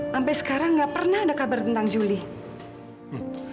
sampai sekarang nggak pernah ada kabar tentang julie